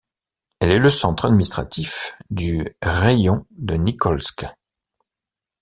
Elle est le centre administratif du Raïon de Nikolske.